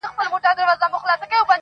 • زموږ د كلي څخه ربه ښكلا كډه كړې.